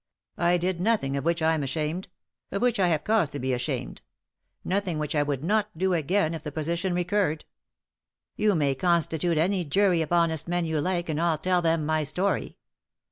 I did nothing of which I am ashamed ; of which I have cause to be ashamed — nothing which I would not do again if the position recurred Yon may constitute any jury of honest men you like, and I'll tell them my story.